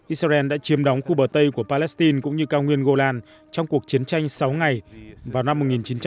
israel đã chiếm đóng khu bờ tây của palestine cũng như cao nguyên gulen trong cuộc chiến tranh sáu ngày vào năm một nghìn chín trăm sáu mươi bảy